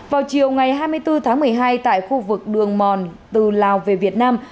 vào chiều ngày hai mươi bốn tháng một mươi hai tại khu vực đường mòn từ lào về việt nam